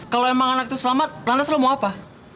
kalau emang anak itu selamat lantas lo mau apa